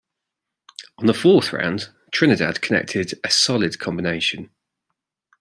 On the fourth round Trinidad connected a solid combination.